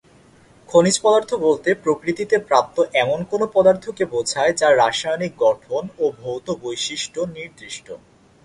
খনিজ পদার্থ বলতে প্রকৃতিতে প্রাপ্ত এমন কোন পদার্থকে বোঝায় যার রাসায়নিক গঠন ও ভৌত বৈশিষ্ট্য নির্দিষ্ট।